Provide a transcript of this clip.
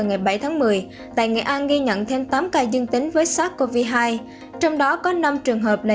ngày bảy tháng một mươi tại nghệ an ghi nhận thêm tám ca dương tính với sars cov hai trong đó có năm trường hợp này